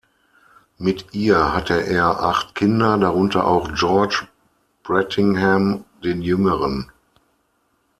Mit ihr hatte er acht Kinder, darunter auch George Brettingham, den Jüngeren.